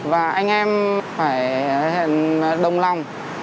và anh em phải đồng lòng